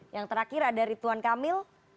yang terakhir ada rituan kamil